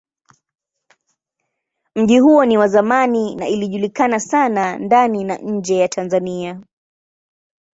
Mji huo ni wa zamani na ilijulikana sana ndani na nje ya Tanzania.